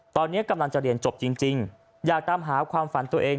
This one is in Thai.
ตอนนี้กำลังจะเรียนจบจริงอยากตามหาความฝันตัวเอง